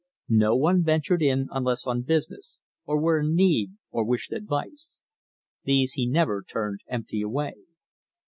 No one ventured in unless on business, or were in need, or wished advice. These he never turned empty away.